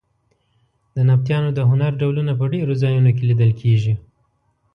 د نبطیانو د هنر ډولونه په ډېرو ځایونو کې لیدل کېږي.